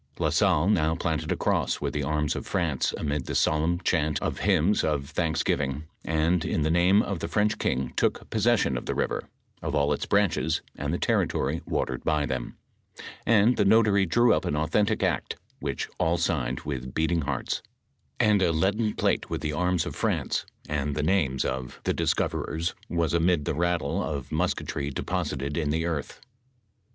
La Salle now planted a cross with the arms of France amid the solemn chant of hymns of thanksgiving, and in the name of the French king took possession of the river, of all its branches, and the territory watered by them ; and the notary drew up an authentic act, which all signed with beating hearts, and a leaden plate with the arms of France, and the names of OF THE MISSISSIPPI BIVEB. XXXIX the discoverers was aihid the rattle of musketry deposited in the earth.